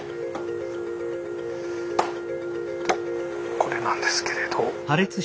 これなんですけれど。